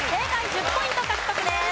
１０ポイント獲得です。